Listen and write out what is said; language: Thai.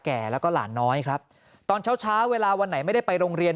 แล้วก็หลานน้อยครับตอนเช้าเช้าเวลาวันไหนไม่ได้ไปโรงเรียน